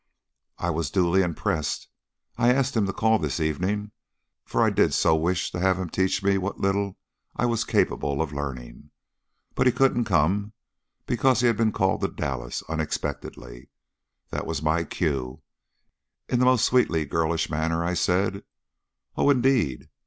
"I was duly impressed. I asked him to call this evening, for I did so wish to have him teach me what little I was capable of learning. But he couldn't come, because he had been called to Dallas, unexpectedly. That was my cue. In my most sweetly girlish manner I said: 'Oh, indeed!